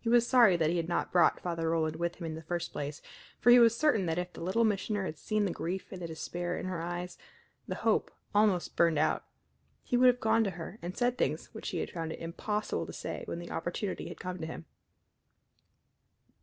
He was sorry that he had not brought Father Roland with him in the first place, for he was certain that if the Little Missioner had seen the grief and the despair in her eyes the hope almost burned out he would have gone to her and said things which he had found it impossible to say when the opportunity had come to him.